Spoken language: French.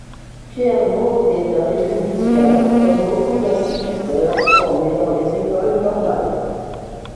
Pierre Vaux est un républicain, comme beaucoup d'instituteurs formés dans les écoles normales.